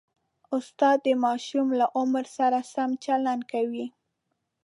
استاد د ماشوم له عمر سره سم چلند کوي.